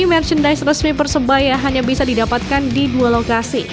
merchandise resmi persebaya hanya bisa didapatkan di dua lokasi